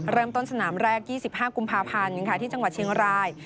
เริ่มต้นสนามแรก๒๕กุมภาพันธ์ที่จังหวัดเชียงราย